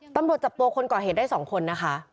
ตำรวจจับตัวคนก่อเหตุได้๒คนนะคะ